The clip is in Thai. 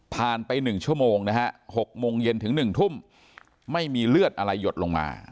ไป๑ชั่วโมงนะฮะ๖โมงเย็นถึง๑ทุ่มไม่มีเลือดอะไรหยดลงมา